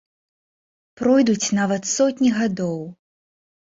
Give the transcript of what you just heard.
Пройдуць нават сотні гадоў.